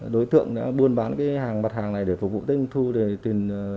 đối tượng đã buôn bán cái hàng mặt hàng này để phục vụ tiết chung thu